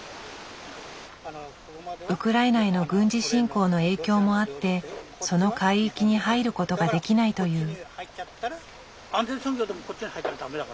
ウクライナへの軍事侵攻の影響もあってその海域に入ることができないという。